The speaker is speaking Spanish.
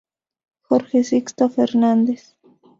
Jorge Sixto Fernández